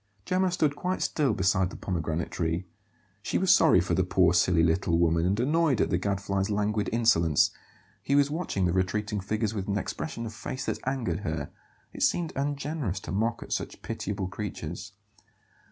Gemma stood quite still beside the pomegranate tree. She was sorry for the poor, silly little woman, and annoyed at the Gadfly's languid insolence. He was watching the retreating figures with an expression of face that angered her; it seemed ungenerous to mock at such pitiable creatures.